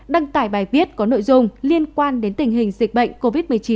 đăng tải bài viết có nội dung liên quan đến tình hình dịch bệnh covid một mươi chín